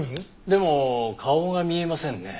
でも顔が見えませんね。